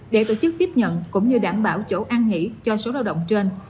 để tổ chức tiếp nhận cũng như đảm bảo chỗ an nghỉ cho số lao động trên